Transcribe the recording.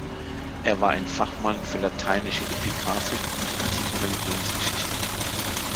Er war ein Fachmann für lateinische Epigraphik und antike Religionsgeschichte.